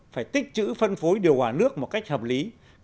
phải tích chữ phân phối điều hòa nước một cách hợp lý